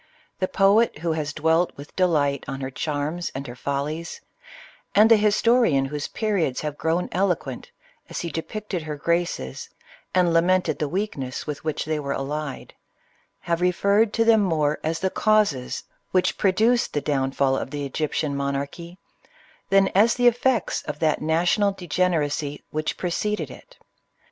The poet who has dwelt with delight on her charms and her follies, and the historian whose periods have grown eloquent as he depicted her graces and lamented the weakness with which they were allied, have referred to them, more as the causes which produced the downfall of the Egyptian monarchy, than as the effects of that na tional degeneracy which preceded it.